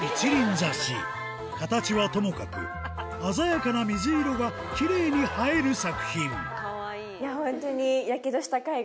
挿し形はともかく鮮やかな水色がきれいに映える作品本当に。